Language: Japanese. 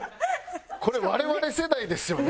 これ我々世代ですよね。